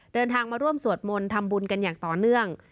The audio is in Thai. เดินทางมาร่วมสวดมนต์ทำบุญกันอย่างต่อเนื่อง